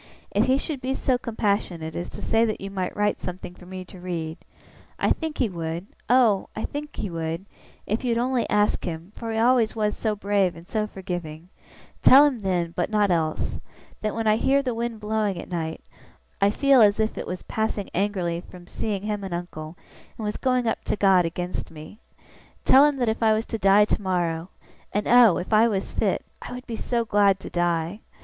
If he should be so compassionate as to say that you might write something for me to read I think he would, oh, I think he would, if you would only ask him, for he always was so brave and so forgiving tell him then (but not else), that when I hear the wind blowing at night, I feel as if it was passing angrily from seeing him and uncle, and was going up to God against me. Tell him that if I was to die tomorrow (and oh, if I was fit, I would be so glad to die!)